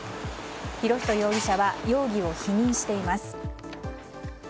博仁容疑者は容疑を否認しています。